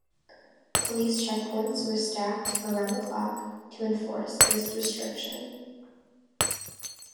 Police checkpoints were staffed around the clock to enforce this restriction.